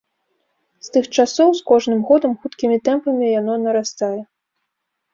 З тых часоў з кожным годам хуткімі тэмпамі яно нарастае.